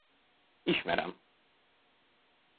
Ismerem!